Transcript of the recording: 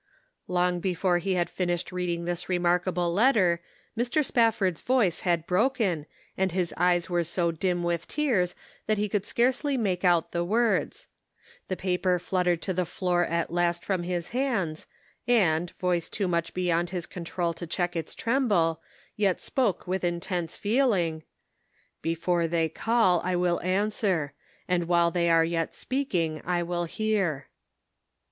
Long before he had finished reading this remarkable letter, Mr Spafford's voice had broken, and his eyes were so dim with tears that he could scarcely make out the words. The paper fluttered to the floor at last from his hands, and, voice too much beyond his control to check its tremble, yet spoke with intense feeling :" Before they call, I will answer ; and while they are yet speaking I will hear."